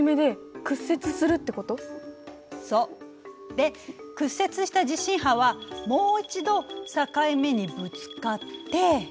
で屈折した地震波はもう一度境目にぶつかって。